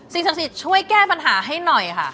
สิ่งศึกษิตช่วยแก้ปัญหาให้หน่อยค่ะ